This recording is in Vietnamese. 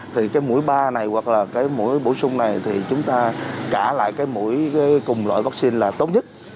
thì cái mũi ba này hoặc là cái mũi bổ sung này thì chúng ta trả lại cái mũi cùng loại vaccine là tốt nhất